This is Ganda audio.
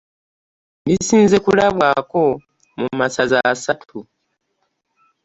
Bisinze kulabwako mu masaza asatu.